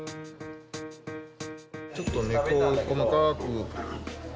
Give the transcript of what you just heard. ちょっと細かく。